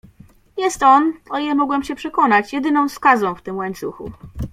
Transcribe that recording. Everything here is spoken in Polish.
"Jest on, o ile mogłem się przekonać, jedyną skazą w tym łańcuchu."